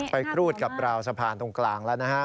ครูดกับราวสะพานตรงกลางแล้วนะฮะ